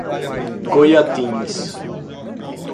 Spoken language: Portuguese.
Goiatins